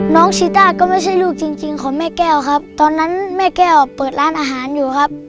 ชีต้าก็ไม่ใช่ลูกจริงของแม่แก้วครับตอนนั้นแม่แก้วเปิดร้านอาหารอยู่ครับ